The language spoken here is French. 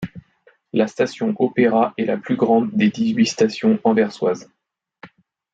La station Opera est la plus grande des dix-huit stations anversoises.